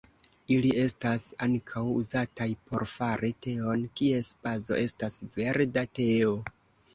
Ili estas ankaŭ uzataj por fari teon, kies bazo estas verda teo.